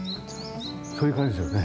そういう感じですよね。